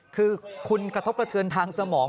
คือคุณกระทบกระเทือนทางสมอง